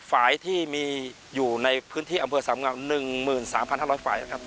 ฝ่ายที่มีอยู่ในพื้นที่อำเภอสำหรับหนึ่งหมื่นสามพันห้าร้อยฝ่ายนะครับ